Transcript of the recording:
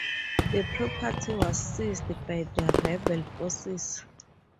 The property was seized by the rebel forces.